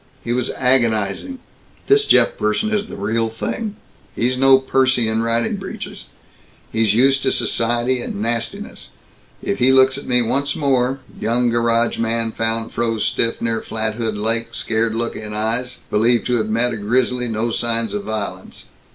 He was agonizing, "This Jeff person is the real thing. He's no Percy in riding breeches. He's used to society and nastiness. If he looks at me once more young garage man found froze stiff, near Flathead Lake, scared look in eyes, believed to have met a grizzly, no signs of vi'lence.